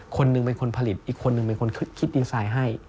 คนหนึ่งเป็นคนผลิตอีกคนนึงเป็นคนคิดดีไซน์ให้